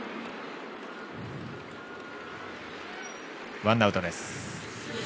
ワンアウトです。